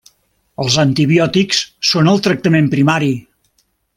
Els antibiòtics són el tractament primari.